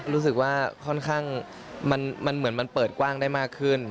รู้สึกว่าค่อนข้างมันเหมือนมันเปิดกว้างได้มากขึ้น